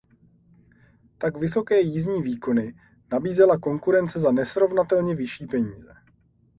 Tak vysoké jízdní výkony nabízela konkurence za nesrovnatelně vyšší peníze.